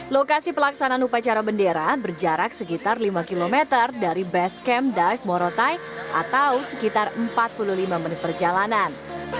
lokasi pelaksanaan upacara bendera berjarak sekitar lima km dari base camp dive morotai atau sekitar empat puluh lima menit perjalanan